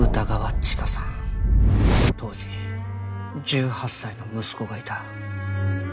当時１８歳の息子がいた。